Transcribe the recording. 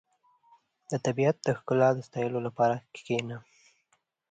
• د طبیعت د ښکلا ستایلو لپاره کښېنه.